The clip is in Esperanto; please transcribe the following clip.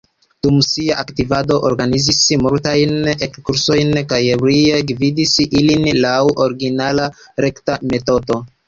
Dum sia aktivado organizis multajn E-kursojn kaj brile gvidis ilin laŭ originala rekta metodo.